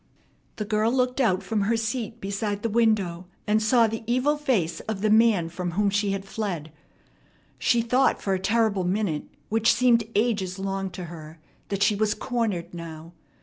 The girl looked out from her seat beside the window, and saw the evil face of the man from whom she had fled. She thought for a terrible minute, which seemed ages long to her, that she was cornered now.